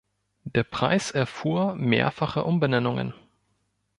Der Preis erfuhr mehrfache Umbenennungen.